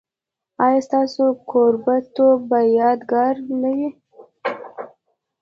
ایا ستاسو کوربه توب به یادګار نه وي؟